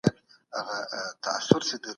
هغه موضوع چي ما انتخاب کړه ګټوره ده.